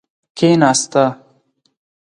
کیناسته.